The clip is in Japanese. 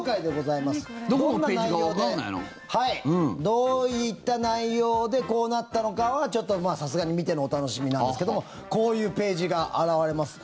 どういった内容でこうなったのかはちょっと、さすがに見てのお楽しみなんですけどこういうページが現れます。